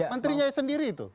menterinya sendiri itu